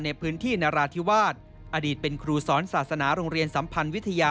ในพื้นที่นราธิวาสอดีตเป็นครูสอนศาสนาโรงเรียนสัมพันธ์วิทยา